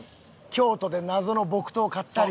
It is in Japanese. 京都で謎の木刀買ったり。